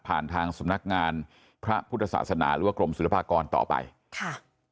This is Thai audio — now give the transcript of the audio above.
ทางสำนักงานพระพุทธศาสนาหรือว่ากรมศิลปากรต่อไปค่ะ